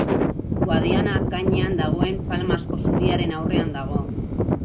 Guadiana gainean dagoen Palmasko zubiaren aurrean dago.